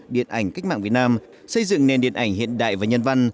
điện ảnh cách mạng việt nam xây dựng nền điện ảnh hiện đại và nhân văn